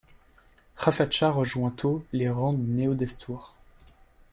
Khefacha rejoint tôt les rangs du Néo-Destour.